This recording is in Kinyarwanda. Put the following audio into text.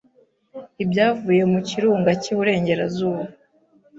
Ibyavuye mu kirunga cyiburengerazuba